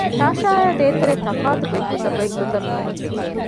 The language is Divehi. ތާޝާއާއި ދޭތެރޭ ތަފާތު ގޮތްގޮތަށް މީހުން ދެކޭނެ